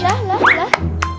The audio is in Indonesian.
lah lah lah lah